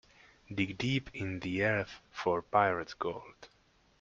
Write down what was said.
Dig deep in the earth for pirate's gold.